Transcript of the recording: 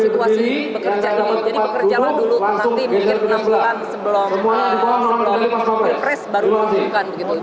jadi bekerjalah dulu nanti mungkin enam bulan sebelum capres baru diumumkan